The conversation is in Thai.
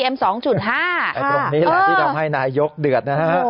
ตรงนี้แหละที่ทำให้นายกเดือดนะฮะ